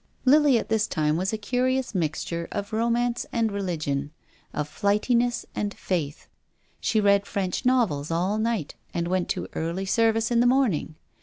Lily, at this time, was a curious mixture of romance and religion, of flightincss and faith. THE DEAD CHILD. 189 She read French novels all night and went to early service in the morning.